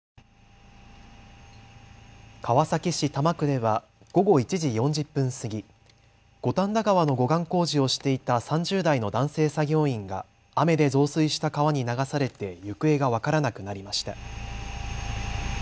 川崎市多摩区では午後１時４０分過ぎ、五反田川の護岸工事をしていた３０代の男性作業員が雨で増水した川に流されて行方が分からなくなりました。